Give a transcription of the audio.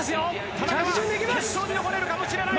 田中決勝に残れるかもしれない。